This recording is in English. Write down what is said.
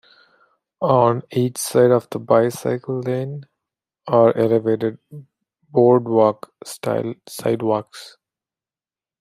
On each side of the bicycle lane are elevated boardwalk-style sidewalks.